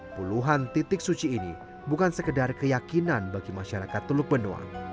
puluhan titik suci ini bukan sekedar keyakinan bagi masyarakat teluk benoa